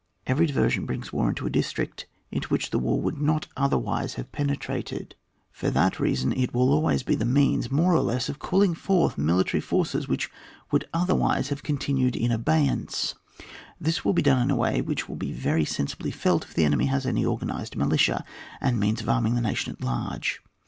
Every diversion brings war into a district into which the war would not otherwise have penetrated : for that VOL, III. J reason it will always be the means, more or less, of calling forth military forces which would otherwise have continued in abeyance, this will be done in a way which will be very sensibly felt if the enemy has any organised militia, and means of arming the nation at large.